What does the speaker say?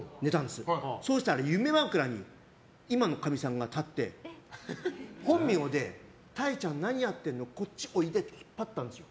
そうしたら夢枕に今のかみさんが立って何やってるのこっちおいでって引っ張ったんです。